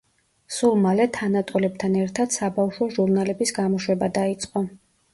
სულ მალე თანატოლებთან ერთად საბავშვო ჟურნალების გამოშვება დაიწყო.